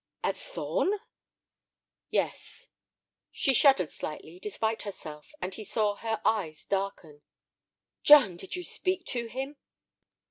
"At Thorn?" "Yes." She shuddered slightly, despite herself, and he saw her eyes darken. "John, did you speak to him?"